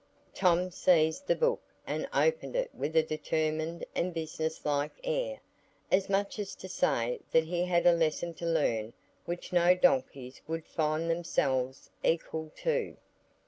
Tom seized the book and opened it with a determined and business like air, as much as to say that he had a lesson to learn which no donkeys would find themselves equal to.